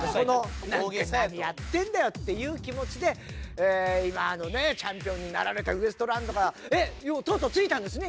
何やってんだよっていう気持ちで今チャンピオンになられたウエストランドがえっとうとう着いたんですね？